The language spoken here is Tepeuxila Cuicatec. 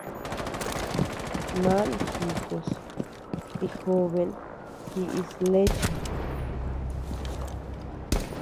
Man jikus y joben jiʼis leche.